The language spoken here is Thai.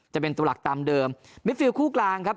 จะเป็นตัวหลักตามเดิมมิดฟิลคู่กลางครับ